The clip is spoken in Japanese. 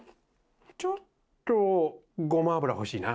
ちょっとごま油欲しいな。